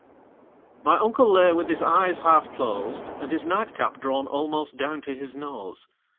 MY uncle lay with his eyes half closed, and his nightcap drawn almost down to his nose.